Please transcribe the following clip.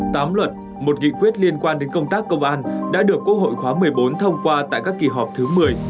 tám luật một nghị quyết liên quan đến công tác công an đã được quốc hội khóa một mươi bốn thông qua tại các kỳ họp thứ một mươi